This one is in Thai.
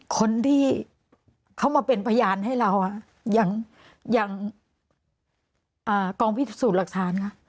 คนที่เขามาเป็นพยานให้เราอย่างกองพิสูจน์หลักฐานค่ะ